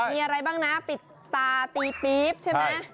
มีอะไรบ้างนะปิดตาตีปี๊บใช่ไหม